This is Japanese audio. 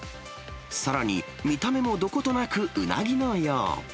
さらに見た目もどことなくうなぎのよう。